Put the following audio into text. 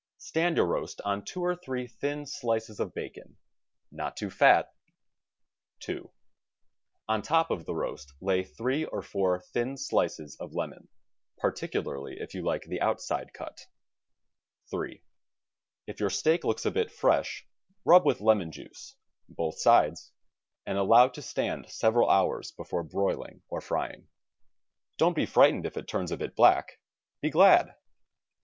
Stand your roast on two or three thin slices of bacon — not too fat. 2. On the top of the roast lay three or four thin slices of lemon — particularly if you like the "outside cut." 3. If your steak looks a bit fresh rub with lemon juice (both sides) and allow to stand several hours before broil ing or frying. Don't be frightened if it turns a bit black — be glad.